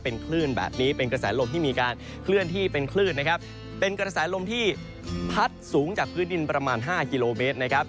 เป็นคลื่นแบบนี้เป็นกระแสลมที่มีการเคลื่อนที่เป็นคลื่นนะครับเป็นกระแสลมที่พัดสูงจากพื้นดินประมาณ๕กิโลเมตรนะครับ